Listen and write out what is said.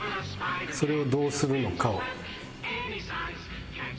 それをどうするのかを。